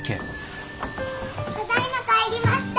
ただいま帰りました！